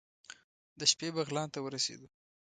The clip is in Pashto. د شپې بغلان ته ورسېدو.